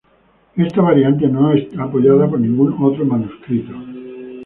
Esta variante no es apoyada por ningún otro manuscrito.